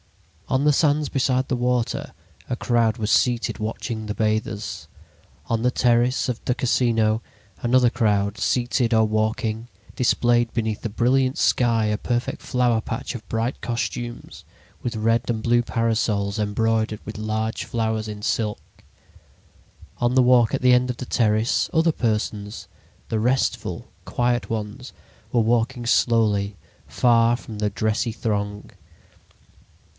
On the sands beside the water a crowd was seated watching the bathers. On the terrace of, the Casino another crowd, seated or walking, displayed beneath the brilliant sky a perfect flower patch of bright costumes, with red and blue parasols embroidered with large flowers in silk. On the walk at the end of the terrace, other persons, the restful, quiet ones, were walking slowly, far from the dressy throng.